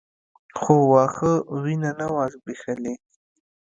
خو واښه وينه نه وه ځبېښلې.